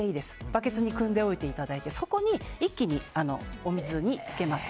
バケツにくんでおいていただいてそこに一気にお水につけます。